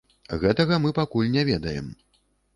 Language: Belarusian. Гэтага мы пакуль не ведаем.